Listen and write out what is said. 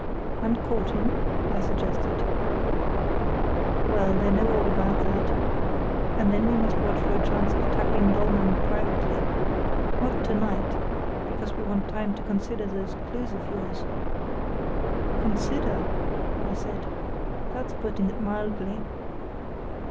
"And courting?" I suggested. "Well, they know all about that. And then we must watch for a chance of tackling Dollmann privately. Not to night, because we want time to consider those clues of yours." "'Consider'?" I said: "that's putting it mildly."